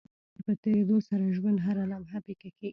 د عمر په تيريدو سره د ژوند هره لمحه پيکه کيږي